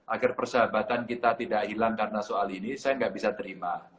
agar persahabatan kita tidak hilang karena soal ini saya tidak bisa terima